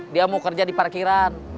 dia mau kerja di parkiran